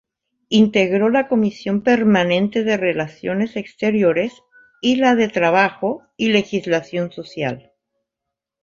Integró la Comisión Permanente de Relaciones Exteriores; y la de Trabajo y Legislación Social.